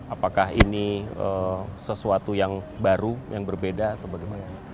apakah ini sesuatu yang baru yang berbeda atau bagaimana